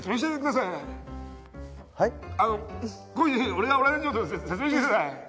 俺がオランダ説明してください。